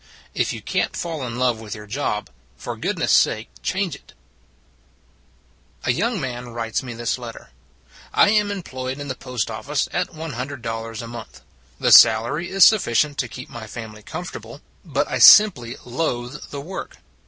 IF YOU CAN T FALL IN LOVE WITH YOUR JOB, FOR GOOD NESS SAKE CHANGE IT A YOUNG man writes me this letter :" I am employed in the post office at $100 a month. The salary is sufficient to keep my family comfortable, but I sim ply loathe the work.